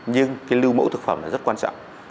nhưng cái lưu mẫu thực phẩm là rất quan trọng